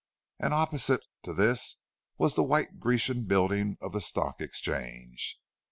And opposite to this was the white Grecian building of the Stock Exchange.